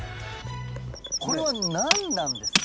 これは何なんですか？